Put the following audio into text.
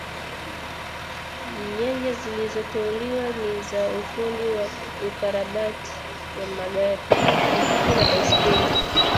Nyanja zilizoteuliwa ni za ufundi wa ukarabati wa magari, pikipiki na baiskeli